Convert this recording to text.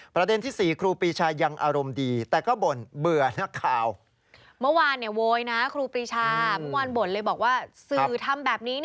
ประเด็นที่สามผศตร